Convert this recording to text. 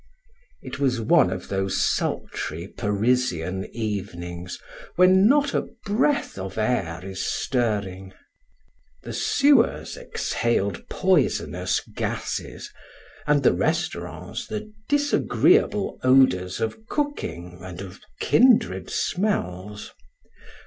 It was one of those sultry, Parisian evenings when not a breath of air is stirring; the sewers exhaled poisonous gases and the restaurants the disagreeable odors of cooking and of kindred smells.